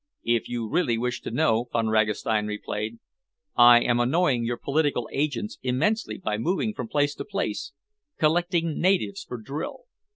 "If you really wish to know," Von Ragastein replied, "I am annoying your political agents immensely by moving from place to place, collecting natives for drill."